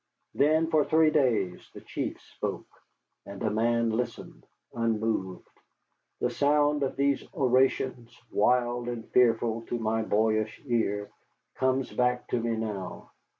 Then for three days the chiefs spoke, and a man listened, unmoved. The sound of these orations, wild and fearful to my boyish ear, comes back to me now.